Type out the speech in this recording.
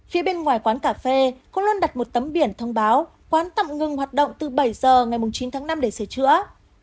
phía bên ngoài quán cà phê cũng luôn đặt một tấm biển thông báo quán tạm ngừng hoạt động từ bảy giờ ngày chín tháng năm để sửa chữa